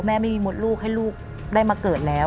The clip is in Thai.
แม่ไม่มีมดลูกให้ลูกได้มาเกิดแล้ว